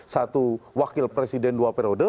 satu wakil presiden dua periode